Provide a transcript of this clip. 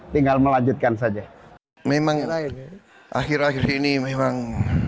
tinggal melanjutkan saja memang akhir akhir ini memang